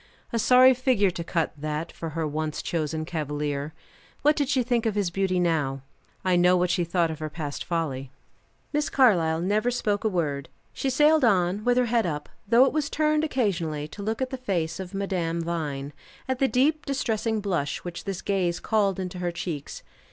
A sorry figure to cut, that, for her once chosen cavalier. What did she think of his beauty now? I know what she thought of her past folly. Miss Carlyle never spoke a word. She sailed on, with her head up, though it was turned occasionally to look at the face of Madame Vine, at the deep distressing blush which this gaze called into her cheeks.